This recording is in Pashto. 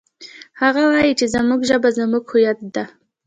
هغه وایي چې زموږ ژبه زموږ هویت ده